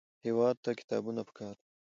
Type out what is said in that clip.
هېواد ته کتابونه پکار دي